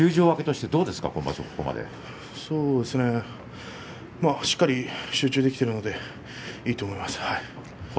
しっかり集中できているのでいいと思います。